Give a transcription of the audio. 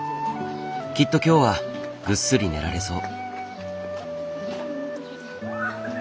きっと今日はぐっすり寝られそう。